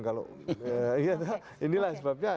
kalau inilah sebabnya